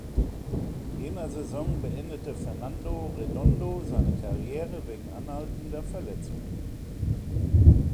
Nach jener Saison beendete Fernando Redondo seine Karriere wegen anhaltender Verletzungen.